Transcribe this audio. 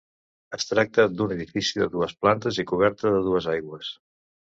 Es tracta d'un edifici de dues plantes i coberta de dues aigües.